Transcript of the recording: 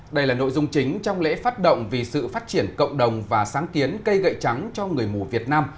đây là nội dung chính trong lễ phát động vì sự phát triển cộng đồng và sáng kiến cây gậy trắng cho người mù việt nam